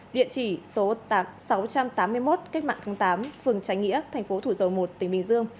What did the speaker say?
địa chỉ số sáu trăm tám mươi một cách mạng tháng tám phường trái nghĩa thành phố thủ dầu một tỉnh bình dương